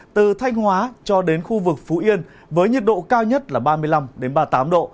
từ thanh hóa cho đến khu vực phú yên với nhiệt độ cao nhất là ba mươi năm ba mươi tám độ